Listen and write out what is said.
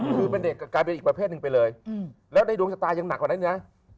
กลายเป็นอีกประเภทหนึ่งไปเลยแล้วในดวงชะตายังหนักกว่านั้นนะ